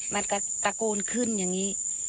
มันก็ตะโกนขึ้นอย่างนี้